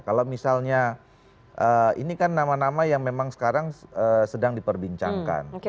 kalau misalnya ini kan nama nama yang memang sekarang sedang diperbincangkan